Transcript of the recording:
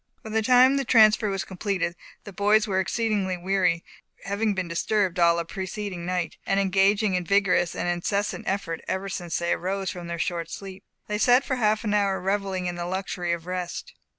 By the time the transfer was completed, the boys were exceedingly weary, having been disturbed all the preceding night, and engaged in vigorous and incessant effort ever since they arose from their short sleep. They sat for half an hour revelling in the luxury of rest.